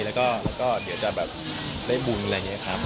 แล้วก็เดี๋ยวจะแบบได้บุญอะไรอย่างนี้ครับ